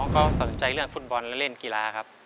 ก็สนใจเรื่องฟุตบอลและเล่นกีฬาครับ